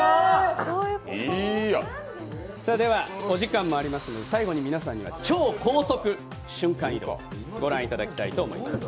ではお時間もありますので最後に皆さんには超高速瞬間移動、御覧いただきたいと思います。